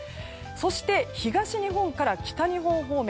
そして、東日本から北日本方面。